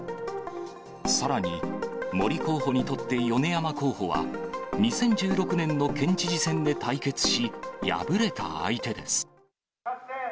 さらに、森候補にとって米山候補は、２０１６年の県知事選で対決し、敗れた相手です。